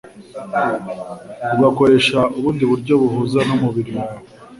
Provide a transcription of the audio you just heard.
ugakoresha ubundi buryo buhuza n'umubiri wawe